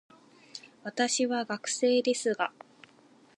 私は学生ですが、